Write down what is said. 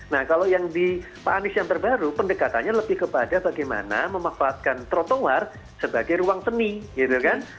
nah kalau yang di pak anies yang terbaru pendekatannya lebih kepada bagaimana memanfaatkan trotoar sebagai ruang seni gitu kan